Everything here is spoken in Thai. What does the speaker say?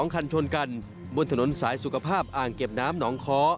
คันชนกันบนถนนสายสุขภาพอ่างเก็บน้ำหนองค้อ